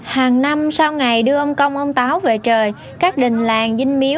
hàng năm sau ngày đưa ông công ông táo về trời các đình làng dinh miếu nhà thờ họ trên đảo lý sơn phải dựng cây nêu